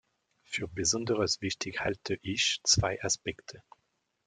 Für besonderes wichtig halte ich zwei Aspekte.